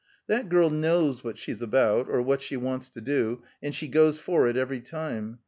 "That girl knows what she's about, or what she wants to do, and she goes for it every time.